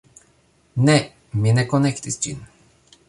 Ne! mi ne konektis ĝin